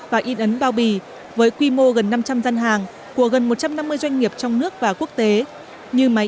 và in ấn bao bì với quy mô gần năm trăm linh gian hàng của gần một trăm năm mươi doanh nghiệp trong nước và quốc tế như máy